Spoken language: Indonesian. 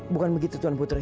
bukan begitu tuan putri